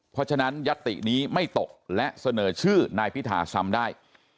เพราะฉะนั้นยัตตินี้ไม่ตกและเสนอชื่อนายพิธาซ้ำได้